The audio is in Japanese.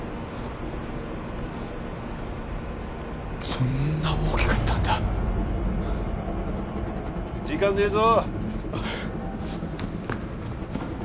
こんな大きかったんだ時間ねえぞ！